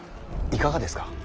いかがですか。